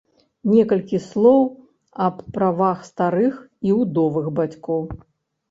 Некалькі слоў аб правах старых і ўдовых бацькоў.